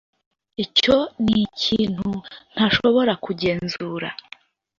Icyo nikintu ntashobora kugenzura